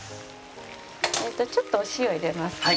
ちょっとお塩入れますね。